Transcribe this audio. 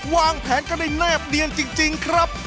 วางแผนกันได้แนบเนียนจริงครับ